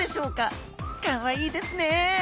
かわいいですね！